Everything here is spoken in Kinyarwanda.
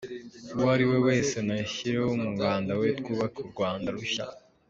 Uwo ari we wese nashyireho umuganda we twubake u Rwanda rushya.